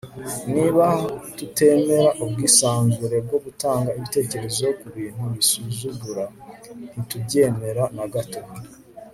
niba tutemera ubwisanzure bwo gutanga ibitekerezo ku bantu dusuzugura, ntitubyemera na gato